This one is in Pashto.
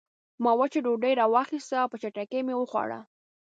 ما وچه ډوډۍ راواخیسته او په چټکۍ مې وخوړه